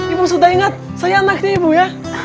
ibu sudah ingat saya anaknya ibu ya